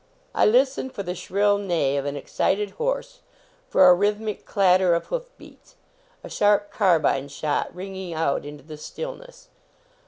I listen for the shrill neigh of an excited horse ; for a rhythmic clatter of hoof beats ; a sharp carbine shot ringing out into the stillness.